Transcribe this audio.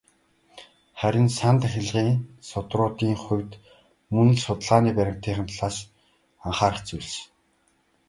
Харин "сан тахилгын судруудын" хувьд мөн л судалгааны баримтынх нь талаас анхаарах зүйлс байдаг.